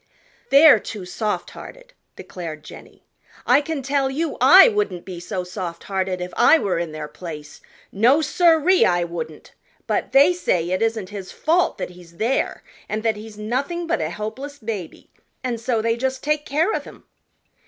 "They're too soft hearted," declared Jenny. "I can tell you I wouldn't be so soft hearted if I were in their place. No, sir ee, I wouldn't! But they say it isn't his fault that he's there, and that he's nothing but a helpless baby, and so they just take care of him."